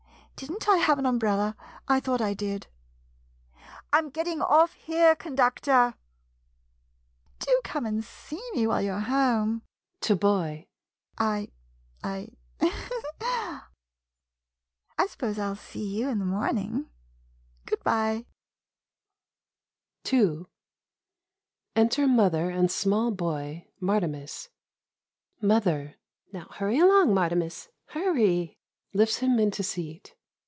Did n't I have an umbrella ? I thought I did. [Calls.] I'm getting off here, con ductor. Do come and see me while you 're 52 SUBURBANITES home. [To boy.] I — I I suppose I '11 see you in the morning. Good by. ii Enter Mother and small boy, Martimas Mother Now hurry along, Martimas, hurry! [Lifts him into seat.